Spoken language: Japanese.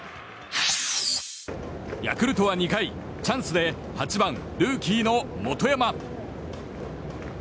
ヤクルトは２回チャンスで８番ルーキーの元山。